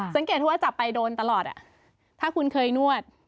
สังเกตที่ว่าจับไปโดนตลอดถ้าคุณเคยนวด